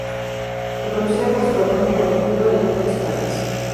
Reconocida por su labor en el colectivo de las mujeres trans.